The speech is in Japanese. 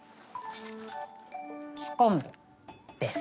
酢昆布です。